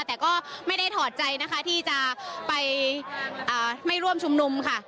แต่ก็ไม่ได้ถอดใจนะคะที่จะไปไม่ร่วมชุมนุมค่ะ